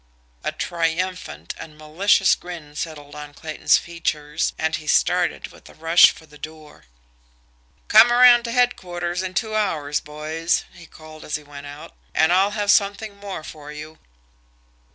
A triumphant and malicious grin settled on Clayton's features, and he started with a rush for the door. "Come around to headquarters in two hours, boys," he called as he went out, "and I'll have something more for you."